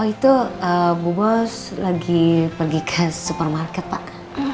itu bu bos lagi pergi ke supermarket pak